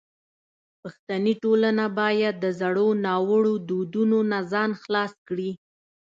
پښتني ټولنه باید د زړو ناوړو دودونو نه ځان خلاص کړي.